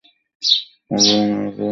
যদি মারা যাও, তোমরা ভালহাল্লাতে চলে যাবে।